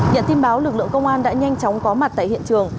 nhận tin báo lực lượng công an đã nhanh chóng có mặt tại hiện trường